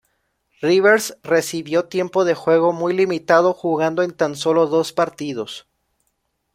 Rivers recibió tiempo de juego muy limitado, jugando en tan sólo dos partidos.